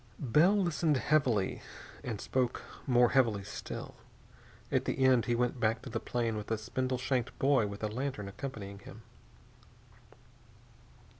Bell listened heavily and spoke more heavily still. At the end he went back to the plane with a spindle shanked boy with a lantern accompanying him.